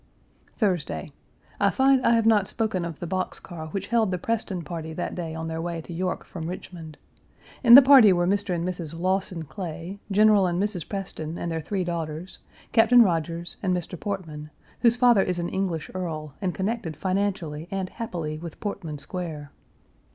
Page 373 Thursday. I find I have not spoken of the box car which held the Preston party that day on their way to York from Richmond. In the party were Mr. and Mrs. Lawson Clay, General and Mrs. Preston and their three daughters, Captain Rodgers, and Mr. Portman, whose father is an English earl, and connected financially and happily with Portman Square.